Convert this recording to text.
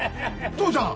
父ちゃん！？